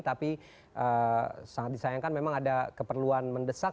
tapi sangat disayangkan memang ada keperluan mendesak